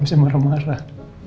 lu sih marah marah